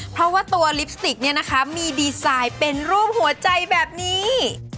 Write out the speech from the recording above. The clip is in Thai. เพราะว่าตัวลิปสติกเนี่ยนะคะมีดีไซน์เป็นรูปหัวใจแบบนี้